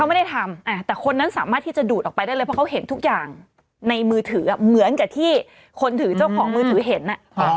ไม่ได้ทำแต่คนนั้นสามารถที่จะดูดออกไปได้เลยเพราะเขาเห็นทุกอย่างในมือถือเหมือนกับที่คนถือเจ้าของมือถือเห็น